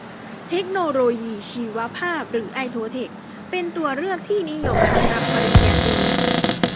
เทคโนโลยีชีวภาพ หรือ ไอโอเทค เป็นตัวเลือกที่นิยมสำหรับปริญญาตรี